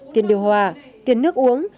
tiền điều hòa tiền nước uống